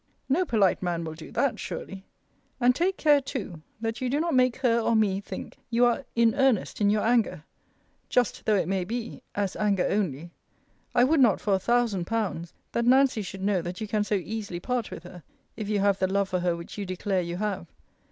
No polite man will do that, surely. And take care too, that you do not make her or me think you are in earnest in your anger just though it may be, as anger only I would not for a thousand pounds, that Nancy should know that you can so easily part with her, if you have the love for her which you declare you have.